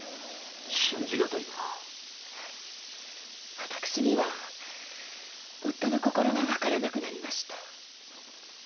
私には夫の心がわからなくなりました。